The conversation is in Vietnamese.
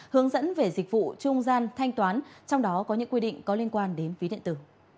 hướng dẫn về dịch vụ trung gian thanh toán trong đó có những quy định có liên quan đến ví điện tử